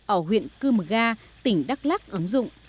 ở huyện cưm ga tỉnh đắk lắc ứng dụng